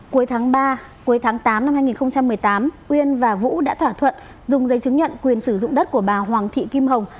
cuối tháng ba cuối tháng tám năm hai nghìn một mươi tám uyên và vũ đã thỏa thuận dùng giấy chứng nhận quyền sử dụng đất của bà hoàng thị kim hồng